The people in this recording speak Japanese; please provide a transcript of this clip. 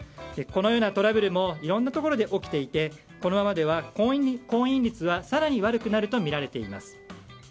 このようなトラブルもいろんなところで起きていてこのままでは婚姻率が更に悪くなるとみられています。